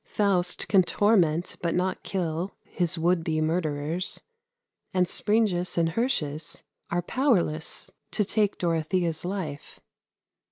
Faust can torment, but not kill, his would be murderers; and Springius and Hircius are powerless to take Dorothea's life.